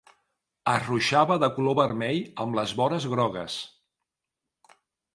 Es ruixava de color vermell, amb les vores grogues.